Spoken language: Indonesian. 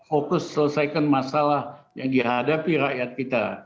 fokus selesaikan masalah yang dihadapi rakyat kita